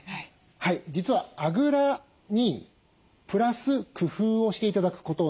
実はあぐらにプラス工夫をして頂くことなんです。